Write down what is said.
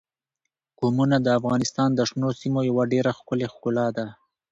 قومونه د افغانستان د شنو سیمو یوه ډېره ښکلې ښکلا ده.